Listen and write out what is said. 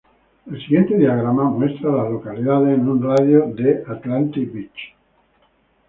El siguiente diagrama muestra a las localidades en un radio de de Atlantic Beach.